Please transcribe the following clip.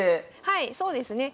はいそうですね